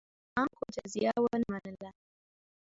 خراسان خلکو جزیه ونه منله.